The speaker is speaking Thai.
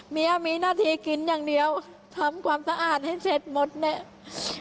เมียมีหน้าที่กินอย่างเดียวทำความสะอาดให้เสร็จหมดเนี่ย